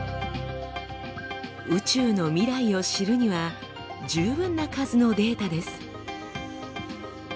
宇宙の未来を知るには十分な数のデータです。